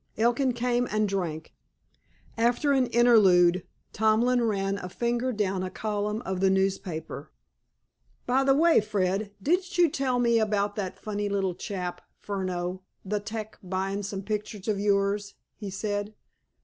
Elkin came and drank. After an interlude, Tomlin ran a finger down a column of the newspaper. "By the way, Fred, didn't you tell me about that funny little chap, Furno, the 'tec, buyin' some pictures of yours?" he said.